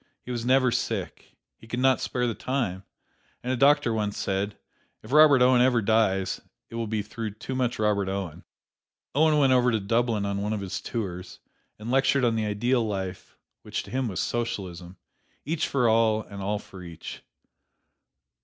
He was never sick he could not spare the time and a doctor once said, "If Robert Owen ever dies, it will be through too much Robert Owen." Owen went over to Dublin on one of his tours, and lectured on the ideal life, which to him was Socialism, "each for all and all for each."